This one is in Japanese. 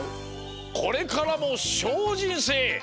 これからもしょうじんせい！